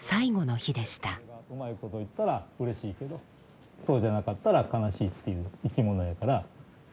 うまいこといったらうれしいけどそうじゃなかったら悲しいっていう生き物やから。